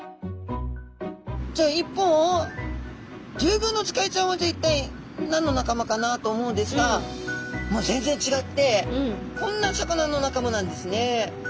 一方リュウグウノツカイちゃんはじゃあ一体何の仲間かなと思うんですがもう全然違ってこんな魚の仲間なんですね。